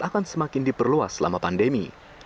akan semakin diperluas selama pandemi